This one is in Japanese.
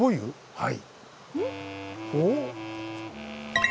はい。